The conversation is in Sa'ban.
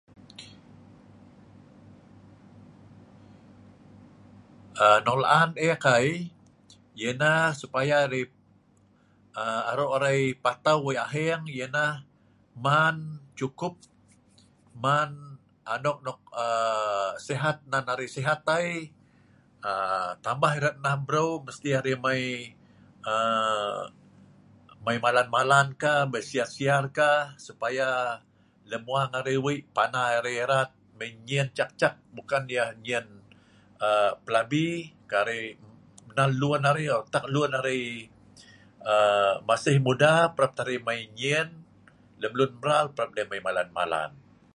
Aaa ..nok la'an ek ai, ianah supaya rai... aaa... aro' arai patau wei' aheng ianah man, cukup man anok nok aaa sehat nan arai sehat ai, aaa tambah eratnah breu, mesti arai mai aaa malan-malankah, mai siar-siarkah, supaya lemmuang arai wei' pana arai irat mai nyen cak-cak, bukan iah nyen aaa pelabi, kai arai nal lun arai hoo tak lun arai aaa masih muda parap tah arai mai n'nyen. Leunmral parap deh mai malan-malan.